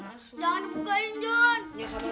eh jangan durhaka mau orang tua